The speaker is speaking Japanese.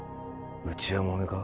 内輪もめか？